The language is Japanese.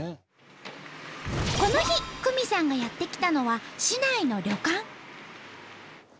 この日九美さんがやって来たのは市内の旅館。